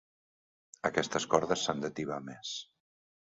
Aquestes cordes s'han de tibar més.